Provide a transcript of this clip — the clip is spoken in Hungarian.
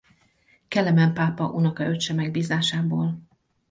Kelemen pápa unokaöccse megbízásából.